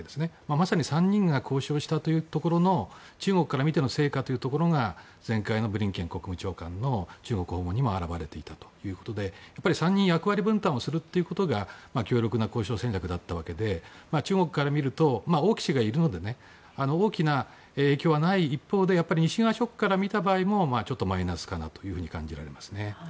まさに３人が交渉したところの中国から見ての成果というところが前回のブリンケン国務長官の中国訪問にも表れていたということで３人が役割分担をすることが強力な交渉戦略だったわけで中国から見ると王毅氏がいるので大きな影響はない一方でやっぱり西側諸国から見るとちょっとマイナスかなと感じられますね。